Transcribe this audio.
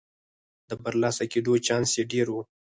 د برلاسه کېدو چانس یې ډېر و.